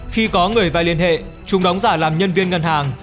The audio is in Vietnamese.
khi có người vay liên hệ chúng đóng giả làm nhân viên ngân hàng